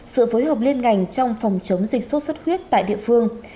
sự phối hợp liên ngành trong phòng chống dịch sốt xuất huyết tại địa phương